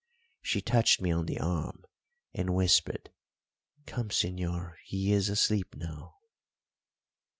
She touched me on the arm and whispered, "Come, señor, he is asleep now."